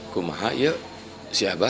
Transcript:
kamu mau kemana